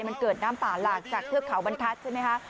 มันเกิดน้ำป่าหลากจากเทือกเขาบรรทัศน์ใช่ไหมคะ